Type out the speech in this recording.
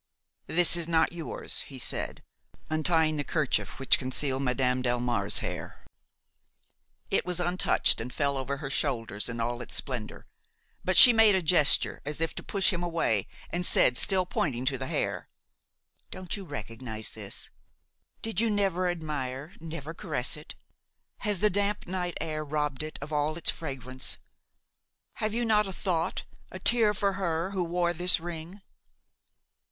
"This is not yours," he said, untying the kerchief which concealed Madame Delmare's hair. It was untouched, and fell over her shoulders in all its splendor. But she made a gesture as if to push him away and said, still pointing to the hair: "Don't you recognize this? Did you never admire, never caress it? Has the damp night air robbed it of all its fragrance? Have you not a thought, a tear for her who wore this ring?"